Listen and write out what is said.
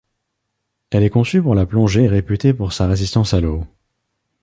Elle est conçue pour la plongée et réputée pour sa résistance à l'eau.